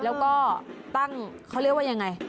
แล้วก็ตั้งเขาเรียกว่ายังไง